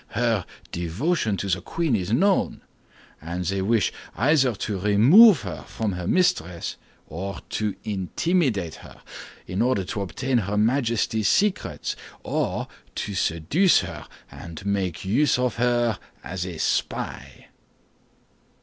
"Her devotion to the queen is known; and they wish either to remove her from her mistress, or to intimidate her, in order to obtain her Majesty's secrets, or to seduce her and make use of her as a spy."